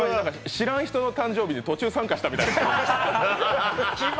知らん人の誕生日に、途中参加したみたいな。